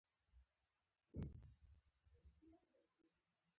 هندوانه د ماښام خوړلو لپاره ښه ده.